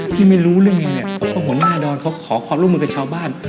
พี่ไม่รู้เรื่องไงเนี่ยว่าหุนาดรเขาขอความร่วมมือกับชาวบ้าน